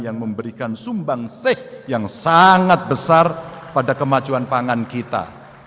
yang memberikan sumbang seh yang sangat besar pada kemajuan pangan kita